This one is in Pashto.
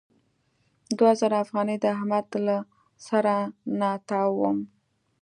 دوه زره افغانۍ د احمد له سره نه تاووم.